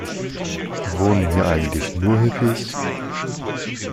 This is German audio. Wohnen hier eigentlich nur Hippies?